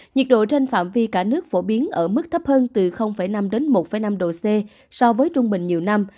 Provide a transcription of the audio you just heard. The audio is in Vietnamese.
nhiệt độ trên phạm vi cả nước phổ biến ở mức thấp hơn từ năm đến một năm độ c so với trung bình nhiều năm